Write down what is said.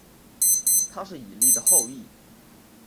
他是以利的后裔。